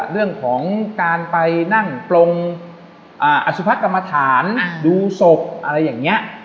เรื่องของการไปนั่งปลงอสุภกรรมฐานดูศพอะไรอย่างนี้